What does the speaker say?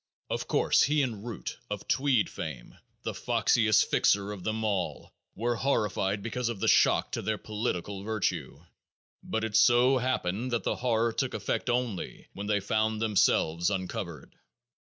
Of course, he and "Root" of Tweed fame, the foxiest "fixer" of them all, were "horrified" because of the shock to their political virtue, but it so happened that the horror took effect only when they found themselves uncovered.